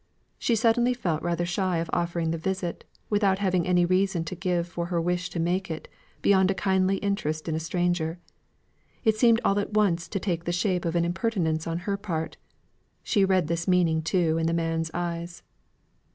She suddenly felt rather shy of offering the visit, without having any reason to give for her wish to make it, beyond a kindly interest in a stranger. It seemed all at once to take the shape of an impertinence on her part; she read this meaning too in the man's eyes.